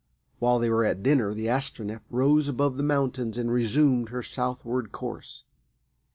While they were at dinner the Astronef rose above the mountains and resumed her southward course.